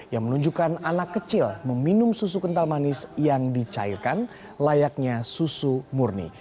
yang menunjukkan anak kecil meminum susu kental manis yang dicairkan layaknya susu murni